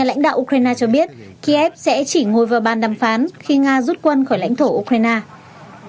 lãnh đạo ukraine cho biết kiev sẽ chỉ ngồi vào bàn đàm phán khi nga rút quân khỏi lãnh thổ ukraine